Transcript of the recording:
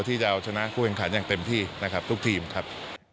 ที่จะเอาชนะคู่แข่งขันอย่างเต็มที่นะครับทุกทีมครับ